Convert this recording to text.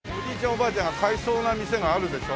おばあちゃんが買いそうな店があるでしょ？